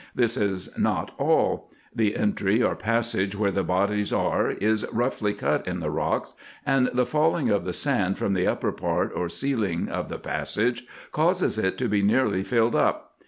This is not all ; the entry or passage where the bodies are is roughly cut in the rocks, and the falling of the sand from the upper part or ceiling of the passage causes it to be nearly filled up.